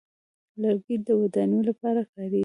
لرګی د ودانیو لپاره کارېږي.